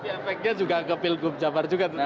efeknya juga ke pilgub jabar juga tentu